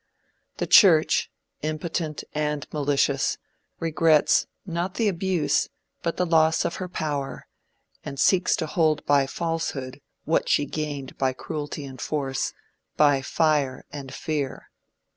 The church, impotent and malicious, regrets, not the abuse, but the loss of her power, and seeks to hold by falsehood what she gained by cruelty and force, by fire and fear.